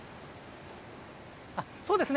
そうですね。